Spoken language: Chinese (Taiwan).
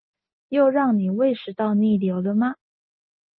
又讓你胃食道逆流了嗎？